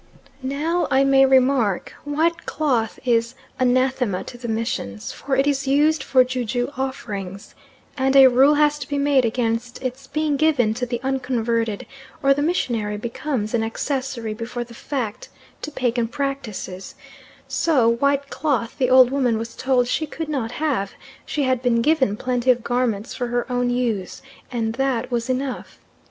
Now, I may remark, white cloth is anathema to the Missions, for it is used for ju ju offerings, and a rule has to be made against its being given to the unconverted, or the missionary becomes an accessory before the fact to pagan practices, so white cloth the old woman was told she could not have, she had been given plenty of garments for her own use and that was enough.